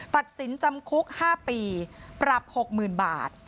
ตัดสินจำคุก๕ปีปรับ๖๐๐๐บาท